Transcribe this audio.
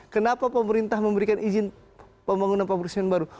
kenapa pemerintah memberikan izin pembangunan pabrik semen baru